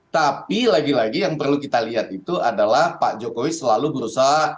tapi lagi lagi yang perlu kita lihat itu adalah pak jokowi selalu berusaha